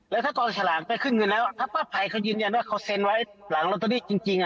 และถ้ากองฉลางไปขึ้นเงินแล้วถ้าพระภัยยืนยังว่าเขาเซ็นไว้ผลังรถาหรี่จริง